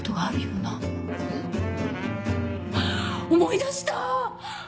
思い出した。